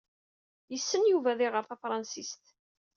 Yessen Yuba ad iɣeṛ tafṛansist.